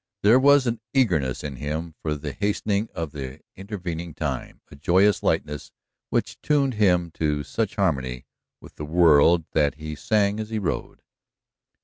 There was an eagerness in him for the hastening of the intervening time, a joyous lightness which tuned him to such harmony with the world that he sang as he rode.